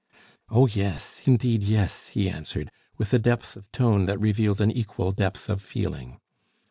"Oh, yes! indeed, yes!" he answered, with a depth of tone that revealed an equal depth of feeling.